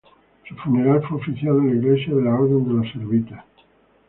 Su funeral fue oficiado en la iglesia de la Orden de los Servitas.